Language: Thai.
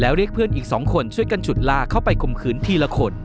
แล้วเรียกเพื่อนอีก๒คนช่วยกันฉุดลาเข้าไปข่มขืนทีละคน